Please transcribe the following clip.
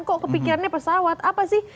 kok kepikirannya pesawat apa sih